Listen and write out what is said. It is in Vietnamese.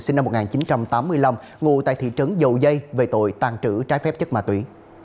sinh năm một nghìn chín trăm tám mươi năm ngủ tại thị trấn dầu dây về tội tàn trữ trái phép chất ma túy